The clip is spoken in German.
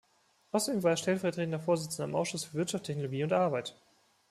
Außerdem war er stellvertretender Vorsitzender im Ausschuss für Wirtschaft, Technologie und Arbeit.